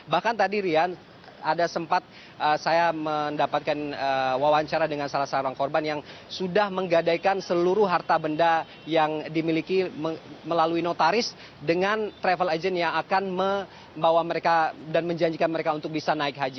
bahkan tadi rian ada sempat saya mendapatkan wawancara dengan salah seorang korban yang sudah menggadaikan seluruh harta benda yang dimiliki melalui notaris dengan travel agent yang akan membawa mereka dan menjanjikan mereka untuk bisa naik haji